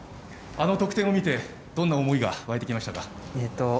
あの得点を見てどんな思いがわいてきましたか。